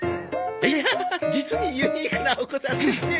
いや実にユニークなお子さんですね。